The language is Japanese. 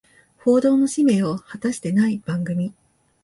報道の使命を果たしてない番組